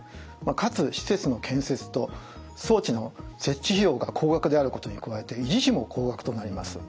かつ施設の建設と装置の設置費用が高額であることに加えて維持費も高額となります。